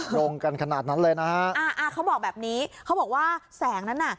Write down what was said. ลงกันขนาดนั้นเลยนะฮะอ่าอ่าเขาบอกแบบนี้เขาบอกว่าแสงนั้นน่ะ